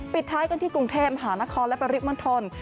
ปิดท้ายกันที่กรุงเทพมหานครและปริมณฑล